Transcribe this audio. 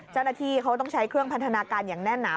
เจ้าหน้าที่เขาต้องใช้เครื่องพันธนาการอย่างแน่นหนา